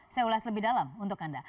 saya ulas lebih dalam untuk anda